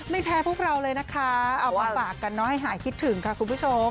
ไม่แพ้พวกเราเลยนะคะเอามาฝากกันเนอะให้หายคิดถึงค่ะคุณผู้ชม